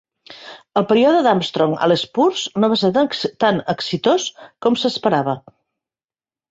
El període d'Armstrong al Spurs no va ser tan exitós com s'esperava.